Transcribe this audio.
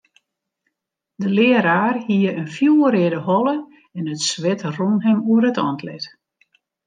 De learaar hie in fjoerreade holle en it swit rûn him oer it antlit.